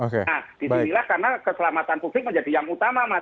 nah disinilah karena keselamatan publik menjadi yang utama mas